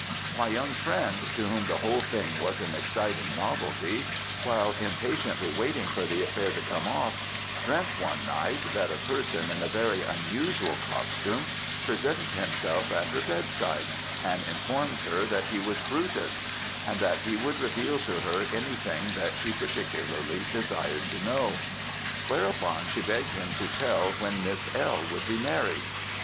My young friend, to whom the whole thing was an exciting novelty, while impatiently waiting for the affair to come off, dreamt, one night, that a person in a very unusual costume, presented himself at her bedside and informed her that he was Brutus; and that he would reveal to her anything that she particularly desired to know; whereupon she begged him to tell when Miss L. would be married.